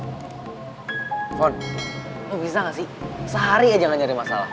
ulan lu bisa ga sih sehari aja ga nyari masalah